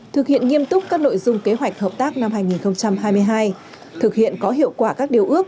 thực hiện nghiêm túc các nội dung kế hoạch hợp tác năm hai nghìn hai mươi hai thực hiện có hiệu quả các điều ước